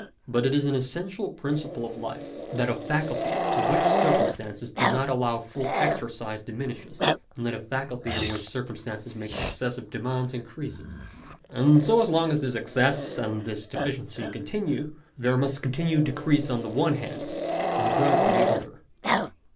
But it is an essential principle of life that a faculty to which circumstances do not allow full exercise diminishes ; and that a faculty on which circumstances make excessive demands increases. And so long as this excess and this deficiency continue, there must continue decrease on the one hand, and growth on the other.